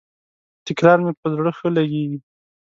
تکرار مي پر زړه ښه لګیږي.